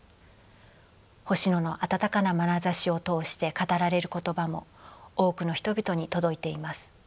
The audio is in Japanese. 星野の温かなまなざしを通して語られる言葉も多くの人々に届いています。